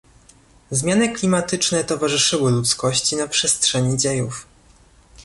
Zmiany klimatyczne towarzyszyły ludzkości na przestrzeni dziejów